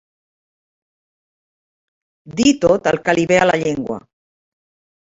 Dir tot el que li ve a la llengua.